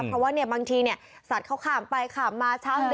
เพราะว่าบางทีสัตว์เขาข่ามไปข่ามมาช้างเดินเล่น